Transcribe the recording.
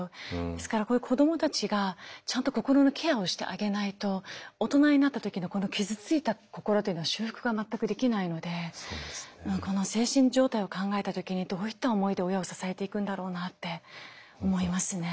ですからこういう子どもたちがちゃんと心のケアをしてあげないと大人になった時のこの傷ついた心というのは修復が全くできないのでこの精神状態を考えた時にどういった思いで親を支えていくんだろうなって思いますね。